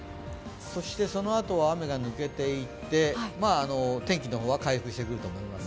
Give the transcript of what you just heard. そのあとは雨が抜けていって、天気は回復してくると思います。